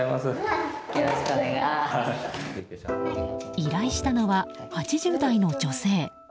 依頼したのは８０代の女性。